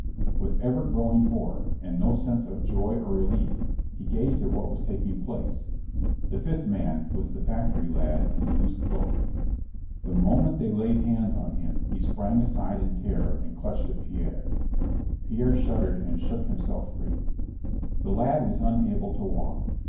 With ever growing horror, and no sense of joy or relief, he gazed at what was taking place. The fifth man was the factory lad in the loose cloak. The moment they laid hands on him he sprang aside in terror and clutched at Pierre. (Pierre shuddered and shook himself free.) The lad was unable to walk.